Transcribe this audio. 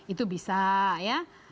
itu bisa ya